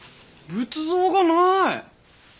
仏像がない！